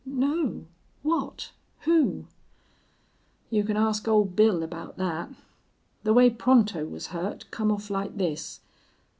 "No. What who " "You can ask Ole Bill aboot thet. The way Pronto was hurt come off like this.